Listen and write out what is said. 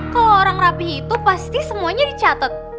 kalo orang rapih itu pasti semuanya dicatet